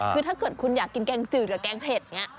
คือถ้าเกิดคุณอยากกินแกงจืดหรือแกงเผ็ดอย่างนี้